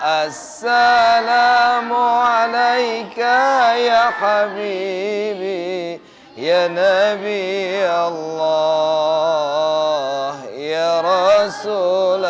assalamualaikum warahmatullahi wabarakatuh